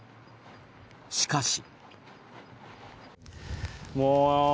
しかし。